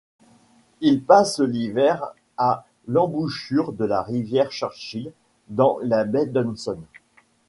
Il passe l'hiver à l'embouchure de la rivière Churchill dans la baie d'Hudson.